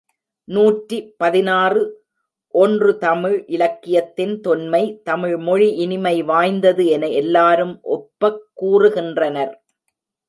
நூற்றி பதினாறு ஒன்று தமிழ் இலக்கியத்தின் தொன்மை தமிழ்மொழி இனிமை வாய்ந்தது என எல்லாரும் ஒப்பக் கூறுகின்றனர்.